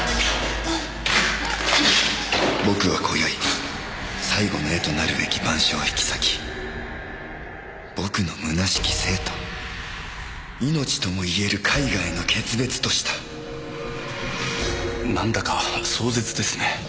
「僕は今宵最後の絵となるべき『晩鐘』を引き裂き僕の虚しき生と命ともいえる絵画への決別とした」なんだか壮絶ですね。